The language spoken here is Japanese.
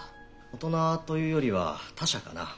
大人というよりは他者かな。